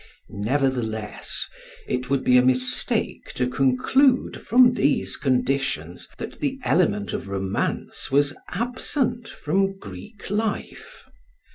Nevertheless, it would be a mistake to conclude, from these conditions, that the element of romance was absent from Greek life.